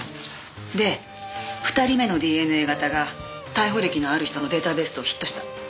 で２人目のＤＮＡ型が逮捕歴のある人のデータベースとヒットした。